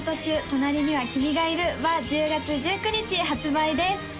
隣には君がいる。」は１０月１９日発売です